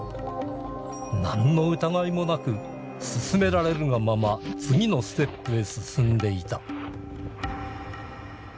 何の疑いもなく勧められるがまま次のステップへ進んでいた。